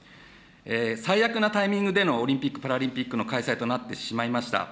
最悪なタイミングでのオリンピック・パラリンピックの開催となってしまいました。